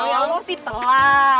ya allah sih telat